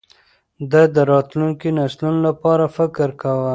ده د راتلونکو نسلونو لپاره فکر کاوه.